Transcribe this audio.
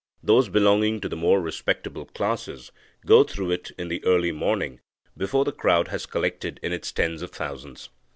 Those belonging to the more respectable classes go through it in the early morning, before the crowd has collected in its tens of thousands.